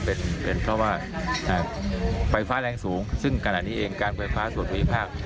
เป็นเพราะว่าไฟฟ้าแรงสูงซึ่งขณะนี้เองการไฟฟ้าส่วนภูมิภาค